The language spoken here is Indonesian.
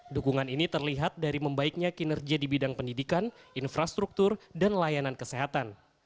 dukungan ini terlihat dari membaiknya kinerja di bidang pendidikan infrastruktur dan layanan kesehatan